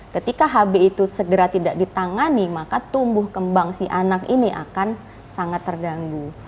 ketika hb itu segera tidak ditangani maka tumbuh kembang si anak ini akan sangat terganggu